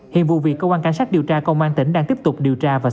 hiện vụ việc cơ quan cảnh sát điều tra công an tỉnh đang tiếp tục điều tra và xử lý